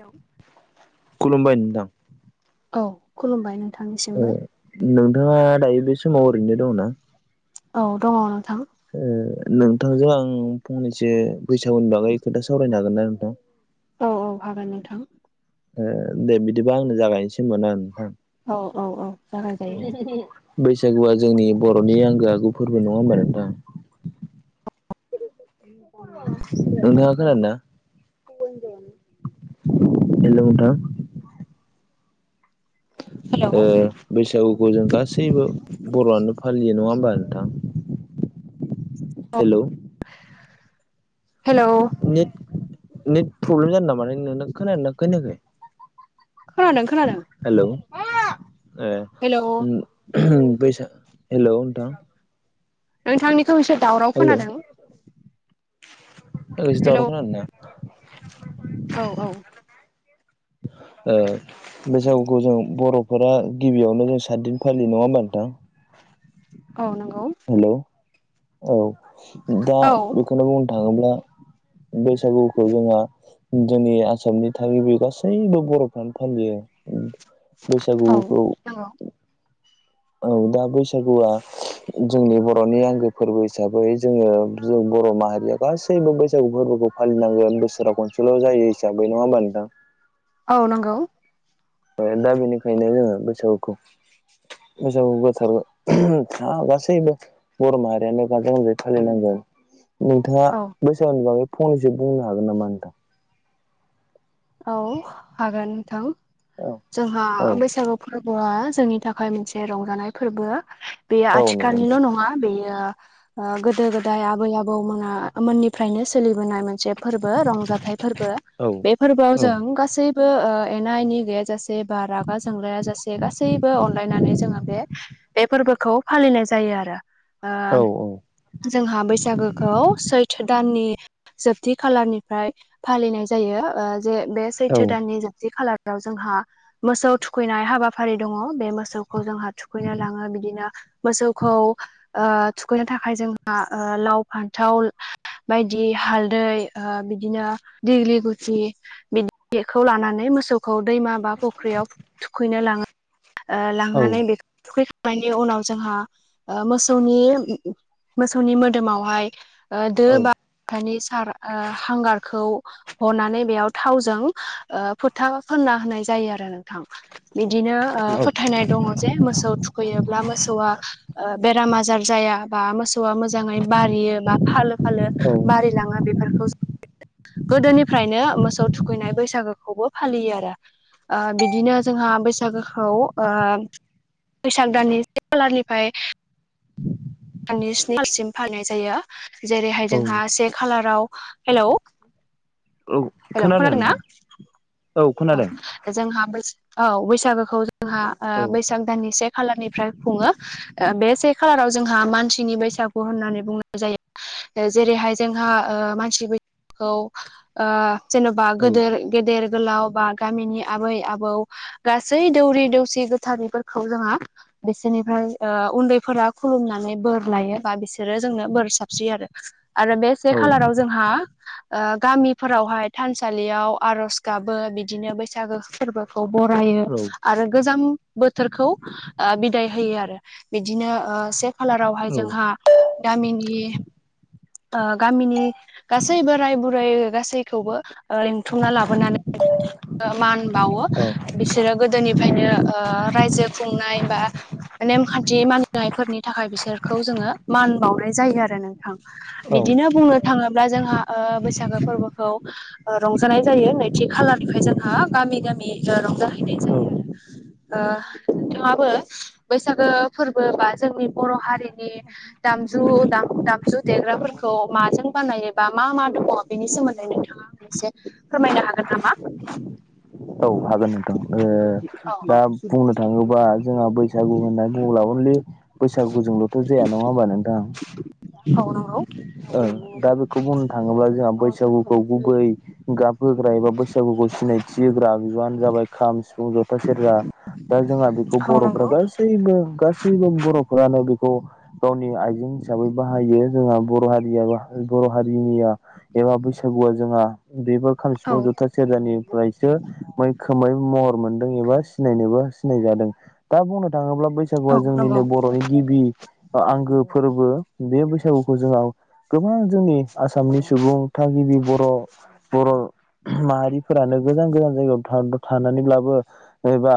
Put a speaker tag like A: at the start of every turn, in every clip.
A: औ
B: खुलुमबाय नोंथां।
A: औ खुलुमबाय नोंथांनिसिमबो
B: ओ नोंथाङा दायो बे समाव ओरैनो दंना?
A: औ दङ नोंथां।
B: नोंथांजों आं फंनैसो बैसागुनि बागै खोथा सावरायनो हागोन ना नोंथां?
A: औ औ हागोन नोंथां।
B: ओ दे बिदिबा आंनो जागायनोसै होमबा ना नोंथां?
A: औ औ औ जागायजायो
B: बैसागुआ जोंनि बर'नि आंगो आगु फोरबो नङा होनबा नोंथां। नोंथाङा खोनादों ना? हेलौ नोंथां।
A: हेलौ
B: ओ बैसागुखौ जों गासैबो बर' आनो फालियो नङा होमबा नोंथां? Hello
A: hello
B: net net problem जादों नामा नोंथां खोनादों ना खोनायाखै?
A: खोनादों खोनादों
B: हेलौ ए
A: हेलौ
B: बैसा हेल' नोंथां
A: नोंथांनिखौ इसे दावराव खोनादों।
B: ओ एसे
A: हेलौ
B: दाउराव खोनादों ना
A: औ औ
B: ओ बैसागुखौ जों बर'फोरा गिबियावनो जों सातदिन फालियो नङा होनबा नोंथां?
A: औ नंगौ।
B: हेलौ औ दा
A: औ
B: बेखौनो बुंनो थाङोब्ला बैसागुखौ जोंहा जोंनि आसामनि थागिबि गासैबो बर'फ्रानो फालियो
A: औ
B: बैसागुखौ
A: नंगौ
B: औ दा बैसागुआ जोंनि बर'नि आंगो फोरबो हिसाबै जोङो बर' माहारिया गासैबो बैसागु फोरबोखौ फालिनांगोन बोसोराव खनसेल' जायो हिसाबै नङा होनबा नोंथां
A: औ नंगौ
B: दा बेनिखायनो जोङो बैसागुखौ बैसागु गोथार था गासैबो। बर' माहारियानो गाजा गोमजायै फालिनांगोन। नोंथाङा
A: औ
B: बैसागुनि बागै फंनैसो बुंनो हागोन नामा नोंथां?
A: औ हागोन नोंथां जोंहा
B: औ
A: बैसागु फोरबोआ जोंनि थाखाय मोनसे रंजानाय फोरबो। बेयो
B: औ नंगौ
A: आथिखालनिल'
B: नोंथां
A: नङा बेयो ओ गोदो गोदाय आबै आबौमोना मोननिफ्रायनो सोलिबोनाय मोनसे फोरबो रंजाथाइ फोरबो
B: औ
A: बे फोरबोआव
B: औ
A: जों गासैबो ओ एना एनि गैया जासे बेबा रागा जोंलाया जासे गासैबो अनलायनानै जोङो बे बे फोरबोखौ फालिनाय जायो आरो ओ
B: औ
A: जोंहा बैसागोखौ सैथो दाननि जोबथि खालारनिफ्राय फालिनाय जायो ओ जे बे
B: औ
A: सैथो दाननि जोबथि खालार आव जोंहा मोसौ थुखैनाय हाबाफारि दङ बे मोसौखौ जोंहा थुखैनो लाङो बिदिनो मोसौखौ ओ थुखैनो थाखाय जोंहा ओ लाव फान्थाव बायदि हालदै ओ बिदिनो दैग्लि जि बिदिखौ लानानै मोसौखौ दैमा बा फुख्रियाव थुखैनो लाङो। ओ लांनानै बेखौ थुखैखांनायनि उनाव जोंहा ओ मोसौनि मोसौनि मोदोमावहाय ओ दो बाथानि सार ओ हांगारखौ हनानै बेयाव थावजों ओ फोथा फोनना होनाय जायो आरो नोंथां। बिदिनो ओ फोथायनाय दङ जे मोसौ थु खैयोब्ला मोसौआ ओ बेराम आजार जाया बा मोसौ सौआ मोजाङै बारियो बा फालो फालो
B: औ
A: बारिलाङो बेफोरखौ गोदोनि फ्रायनो मोसौ थुखैनाय बैसागोखौबो फालियो आरो। ओ बिदिनो जोंहा बैसागोखौ ओ बैसाग दाननि से खालारनिफ्राय साननि स्निसिम फालिनाय जायो जेरैहाय
B: औ
A: जोंहा से खालाराव हेलौ
B: औ
A: हेलौ
B: खोनादों
A: खोनादोंना?
B: नोंथां
A: औ। जोंहा बैस औ बैसागोखौ जोंहा ओ
B: औ औ
A: बैसाग दाननि से खालारनिफ्राय खुङो बे से खालाराव जोंहा मानसिनि बैसागु होननानै बुंनाय जायो। जेरैहाय जोंहा ओ मानसि बैसागुखौ ओ जेन'बा गोेदोर गेदेर गोलाव बा गामिनि आबै आबौ गासै दौरि दौसि गोथारिफोरखौ जोंहा बिसोरनिफ्राय ओ उन्दैफोरा खुलुमनानै बोर लायो बा बिसोरो जोंनो बोर साबसियो आरो। आरो बे से
B: औ
A: खालाराव जोंहा ओ गामिफोरावहाय थानसालियाव आर'ज गाबो बिदिनो बैसागो फोरबोखौ बरायो।
B: औ
A: आरो गोजां बोथोरखौ ओ बिदाय होयो आरो बिदिनो ओ से खालारावहाय जोंहा गामिनि ओ गामिनि गासै बोराय बुरै ओ गासैखौबो ओ लिंथुमना लाबोनानै ओ मान बावो बिसोरो गोदोनिफ्रायनो ओ रायजो खुंनाय बा नेमखान्थि मानिनायफोरनि थाखाय बिसोरखौ जोङो मान बावनाय जायो आरो नों थां बिदिनो बुंनो थाङोब्ला जोंहा ओ बैसागो फोरबोखौ ओ रंजानाय जायो नैथि खालारनिफ्राय जोंहा गामि गामि ओ रंजाहैनाय जायो आरो। ओ बिथांयाबो बैसागो फोरबो बा जोंनि बर' हारिनि दामजु दा दामजु देग्राफोरखौ माजों बानाय बा मा मा दङ बेनि सोमोन्दै नोंथाङा एसे फोरमायनो हागोन नामा
B: औ हागोन नोंथां ओ
A: औ
B: दा बुंनो थाङोबा जोंहा बैसागु होननानै बुङोब्ला अनलि बैसागुजोंल'थ' जाया नङा हबा नोंथां
A: औ नंगौ
B: ओं दा बेखौ बुंनो थाङोब्ला जोंहा बैसागुखौ गुबै गाब होग्रा एबा बैसागुखौ सिनायथि होग्रा आगजुआनो जाबाय खाम सिफुं जथा सेरजा दा जोंहा बेखौ
A: औ
B: बर'फोरा
A: नंगौ
B: गासि गासैबो गासैबो बर'फोरानो बेखौ गावनि आइजें हिसाबै बाहायो जोंहा बर' हारिया बर' हारिनिया एबा बैसागुआ जोंहा बेफोर खाम
A: औ
B: सिफुं जथा सोरजानिफ्रायसो मैखोमै महर मोनदों एबा सिनायनोबो सिनाय जादों। दा बुंनो थाङोब्ला बै
A: औ
B: बैसागुआ
A: नंगौ
B: जोंनिनो बर'नि गिबि आंगो फोरबो बे बैसागु गोबां जोंनि आसामनि सुबुं थागिबि बर' बर' माहारिफोरानो गोजान गोजान जायगायाव थानानैब्लाबो एबा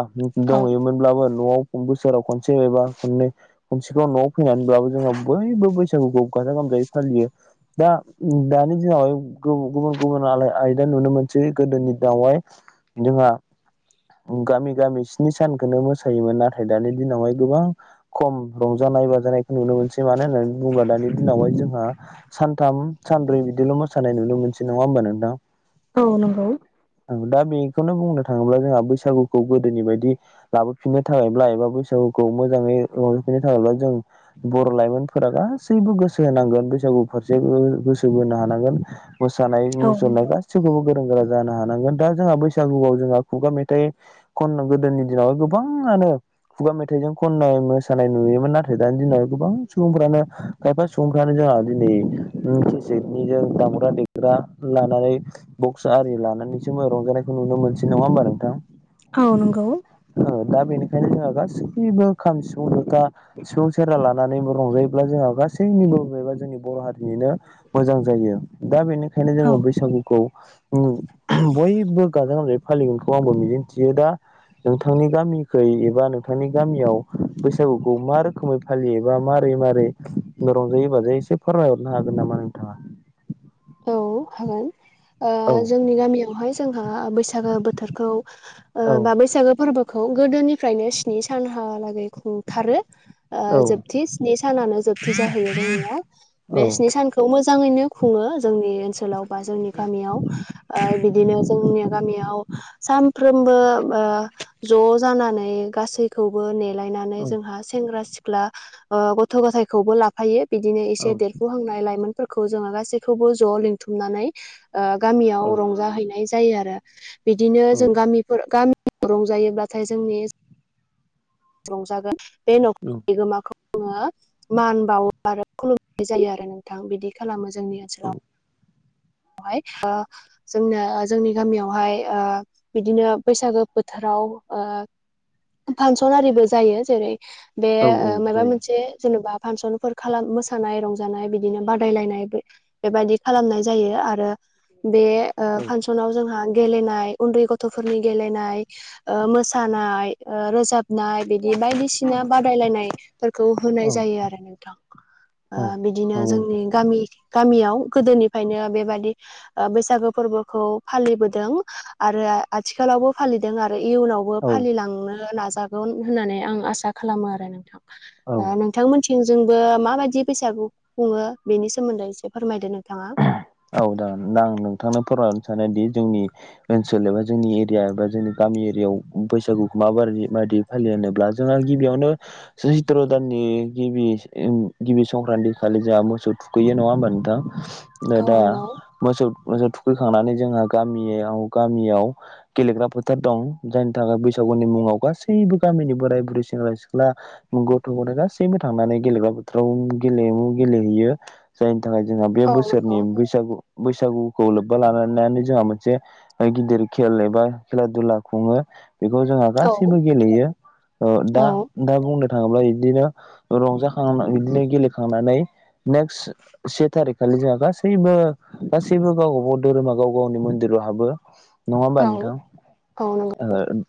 A: औ
B: दंहैयोमोनब्लाबो नआव बोसोराव खनसे एबा खननै मोननसेखौाव न'आव फैनानैब्लाबो जोंहा बयबो बैसागुखौ गाजा गोमजायै फालियो। दा दानि दिनावहाय गुबुन गुबुन आयदा नुनो मोनसै गोदोनि दिनावहाय जोंहा गामि गामि स्नि सानखौनो मोसायोमोन नाथाय दानि दिनावहाय गोबां खम रंजानाय बाजानायखौ नुनो मोनसै मानो होननानै बुङोब्ला दानि दिनावहाय जोंहा सानथाम सानब्रै बिदिल' मोसानाय नुनो मोनसै नङा होमबा नोंथां
A: औ नंगौ
B: दा बेखौनो बुंनो थाङोब्ला जोंहा बैसागुखौ गोदोनि बायदि लाबोफिननो थाखायब्ला एबा बैसागुखौ मोजाङै लाबोफिननो थाखायब्ला जों बर' लाइमोनफोरा गासैबो गासैबो गोसो होनांगोन बैसागु फारसेबो गोसो बोनो हानांगोन मोसानाय
A: औ
B: मुसुरनाय
A: नंगौ
B: गासैबो गासैखौबो गोरों गोरा जानो हानांगोन दा जोंहा बैसागुआव जोंहा खुगा मेथाइ खननो गोदोनि दिनावहाय गोबाङानो खुगा मेथाइजों खननाय मोसानाय नुयोमोन नाथाय दानि गोबां सुबुंफ्रानो खायफा सुबुंफ्रानो जोंहा दिनै खेसेनिजों दामग्रा देग्रा लानानै बक्स आरि लानानैसो रंजानायखौ नुनो मोनसै नङा होमबा नोंथां
A: औ नंगौ
B: दा बेनिखायनो जोंहा गासैबो खाम सिफुं जथा सिफुं सेरजा लानानैबो रंजायोब्ला जोंहा गासैबो गासैनिबो एबा जोंनि बर' हारिनिनो मोजां जायो दा बेनिखायनो
A: औ
B: जोङो बैसागुखौ उम बयबो गाजा गोमजायै फालिगोनखौ आंबो मिजिंथियो दा नोंथांनि गामिखै एबा नोंथांनि गामियाव बैसागुखौ मा रोखोमै फालियोबा मारै मारै रंजायो बाजायो एसे फोरमायहरनो हागोन नामा नोंथाङा
A: औ हागोन ओ
B: औ
A: जोंनि गामियावहाय जोंहा बैसागो बोथोरखौ ओ
B: औ
A: बा बैसागो फोरबोखौ गोदोनिफ्रायनो स्नि सानहालागै खुंथारो ओ
B: औ
A: जोबथि स्नि सानानो जोबथि जाहैयो जोंनिया। बे
B: औ
A: स्नि सानखौ मोजाङैनो खुङो जोंनि ओनसोलाव बा जोंनि गामियाव ओ बिदिनो जोंनिनो गामियाव सानफ्रोमबो ओ ज' जानानै गासैखौबो ने लायनानै जोंहा सेंग्रा सिख्ला ओ गथ' गथायखौबो लाफायो। बिदिनो
B: औ
A: एसे देरख'हांनाय लाइमोनफोरखौ जोङो गासैखौबो ज' लिंथुमनानै ओ गामियाव
B: औ
A: रंजाहैनाय जायो आरो बिदिनो
B: औ
A: जों गामिफोर गामि रंजायोब्लाथाय जोंनि रंजागोन बे न'ख
B: औ
A: [inaudible] बिगोमाखौ ओङो मान बावो आरो खुलुमनाय जायो आरो नोंथां बिदि खालामो जोंनि
B: औ
A: ओनसोलाव। बहाय ओ जोंनो ओ जोंनि गामियावहाय ओ बिदिनो बैसागो फोथाराव ओ फांसन आरिबो जायो जेरै बे
B: औ
A: ओ
B: औ
A: मायबा
B: जायो
A: मोनसे जेनेबा फांसनफोर खालाम मोसानाय रंजानाय बिदिनो बादायलायनाय बे बेबायदि खालामनाय जायो आरो बे ओ फांसन सनाव जोंहा गेलेनाय उन्दै गथ'फोरनि गेलेनाय ओ मोसानाय ओ रोजाब नाय बिदि बायदिसिना बादायलायनाय फोरखौ
B: औ
A: होनाय जायो आरो नोंथां। ओ
B: औ औ
A: बिदिनो
B: नंगौ नोंथां
A: जोंनि गामि गामियाव गोदोनिफायनो बेबादि ओ बैसागो फोरबोखौ फालिबोदों आरो आथिखालावबो फालिदों आरो इयुनाव बो
B: औ
A: फालि लांनो नाजागोन होननानै आं आसा खालामो आरो नोंथां
B: औ
A: दा नों थांमोनथिंजोंबो माबायदि बैसागु खुङो बेनि सोमोन्दै एसे फोरमायदो नोंथाङा।
B: औ दा नां नोंथांनो फोरमायहरनो सानोदि जोंनि ओनसोल एबा जोंनि एरिया एबा जोंनि गामि एरियायाव बैसागुखौ माबारि बायदि फालियो होनोब्ला जोङा गिबियावनो चैथ्र' दाननि गिबि [inaudible] गिबि संक्रान्ति खालि जोंहा मोसौ थुखैयो नङा होमबा नोंथां? नै
A: औ
B: दा
A: नंगौ
B: मोसौ मोसौ थुखैखांनानै जोंहा गामियाव गामियाव गेलेग्रा फोथार दं जायनि थाखाय बैसागुनि मुङाव गासैबो गामिनि बोराय बुरै सेंग्रा सिख्ला गथ' गथाय गासैबो थांनानै गेलेग्रा बोथोराव गेलेमु गेलेहैयो। जायनि थाखाय जोंहा बे
A: औ नंगौ
B: बोसोरनि बैसागु बैसागुखौ लोब्बा लानानानै जोंहा मोनसे ऐ गिदिर खेल एबा खेला दुला खुङो। बेखौ जोंहा
A: औ
B: गासिबो गेलेयो ओ दा
A: औ
B: दा बुंनो थाङोब्ला इदिनो रंजाखांना इदिनो गेलेखांनानै नेक्स से थारिख खालि जोंहा गासैबो गासैबो गावबा गाव धोरोमा गाव गावनि मन्दिराव हाबो। नङा होमबा नोंथां
A: औ औ नंगौ
B: ओ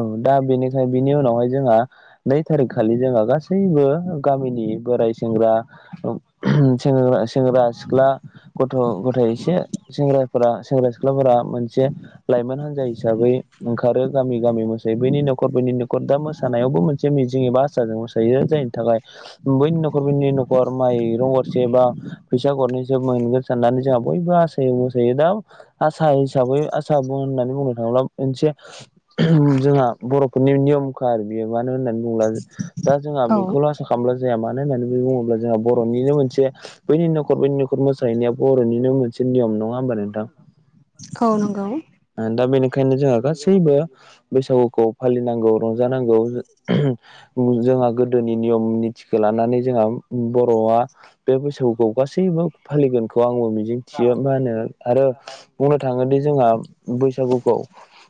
B: ओं दा बेनिखाय बेनि उनावहाय जोंहा नै थारिख खालि जोंहा गासैबो गामिनि बोराय सेंग्रा औ सेंग्रा सेंग्रा सिख्ला गथ' गथाय एसे सेंग्राफोरा सेंग्रा सिख्लाफोरा मोनसे लाइमोन हान्जा हिसाबै ओंखारो। गामि गामि मोसायो बैनि न'खर बैनि न'खर दा मोसानायावबो मोनसे मिजिं एबा आसाजों मोसायो जायनि थाखाय उम बैनि न'खर बैनि न'खर माइरं गरसे बा फैसा गरनै सो मोनगोन साननानै जोंहा बयबो आसायै मोसायो दा आसा हिसाबै आसा बुंनानै बुंनो थाङोब्ला मोनसे ओम जोंहा बर'फोरनि नियमखा आरो बेयो मानो होननानै बुंब्ला दा जोंहा
A: औ
B: बिखौल' आसा खालामब्ला जाया मानो होननानै बुङोब्ला जोंहा बर'निनो मोनसे बैनि न'खर बैनि न'खर खर मोसाहैनाया बर'निनो मोनसे नियम नङा होमबा नोंथां?
A: औ नंगौ
B: दा बेनिखायनो जोंहा गासैबो बैसागुखौ फालिनांगौ रंजानांगौ जोंहा गोदोनि नियम निथिखौ लानानै जोंहा बर'आ बे बैसागुखौ गासैबो फालिगोनखौ आंबो मिजिंथियो मा होनो आरो बुंनो थाङोदि जोंहा बैसागुखौ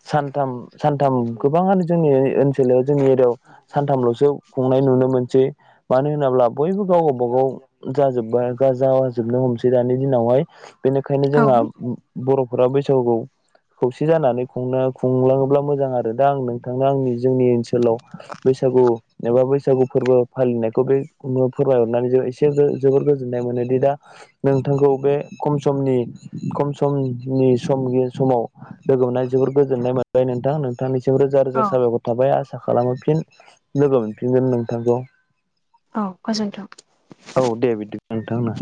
B: सानथाम सानथाम गोबां आनो जोंनि ओनसोलाव जोंनि एरियायाव सानथामल'सो खुंनाय नुनो मोनसै। मानो होनोब्ला बयबो गावबा गाव जाजोबबाय गाजा जोबनो हमसै दानि दिनावहाय बेनिखायनो
A: औ
B: जोंहा बर'फोरा बैसागुखौ खौसे जानानै खुंनो खुंलाङोब्ला मोजां आरो दा आं नोंथांनो आंनि जोंनि ओनसोलाव बैसागु एबा बैसागु फोरबो फालिनायखौ बे फोरमायहरनानै जों एसे जोबोर गोजोननाय मोनोदि दा नोंथांखौ बे खम समनि खम समनि समनि समाव लोगो मोनना जोबोद गोजोन्नाय मोनबाय नोंथां नोंथांनिसिम रोजा रोजा साबायखर थाबाय आसा खालामो फिन लोगो मोनफिनगोन नोंथांखौ।
A: औ गोजोन्थों।
B: औ दे बिदिबा नोंथां ना।